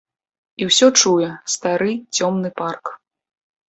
І ўсё чуе стары цёмны парк.